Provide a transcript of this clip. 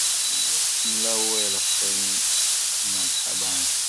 مُلا وویله خدای مي نګهبان دی-